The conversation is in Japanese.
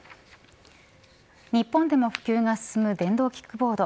日本でも普及が進む電動キックボード。